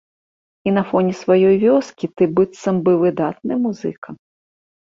І на фоне сваёй вёскі ты быццам бы выдатны музыка.